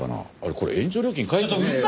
これ延長料金書いてねえよ。